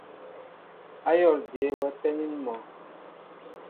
Ayól jeé wɛ penin mɔ?